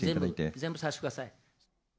全部させてください。